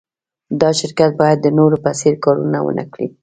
دا شرکت باید د نورو په څېر کارونه و نهکړي